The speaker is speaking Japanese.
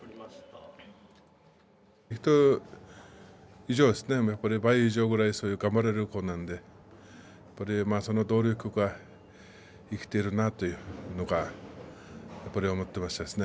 言った以上は、倍以上ぐらい頑張れる子なのでその努力が生きているなというのがやっぱり思ってましたですね。